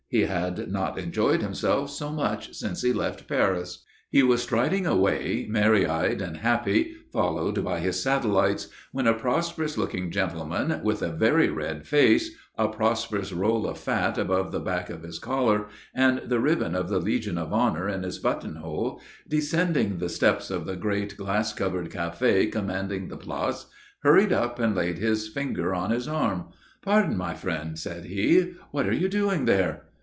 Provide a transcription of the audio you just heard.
He had not enjoyed himself so much since he left Paris. He was striding away, merry eyed and happy, followed by his satellites when a prosperous looking gentleman with a very red face, a prosperous roll of fat above the back of his collar, and the ribbon of the Legion of Honour in his buttonhole, descending the steps of the great glass covered café commanding the Place, hurried up and laid his finger on his arm. "Pardon, my friend," said he, "what are you doing there?"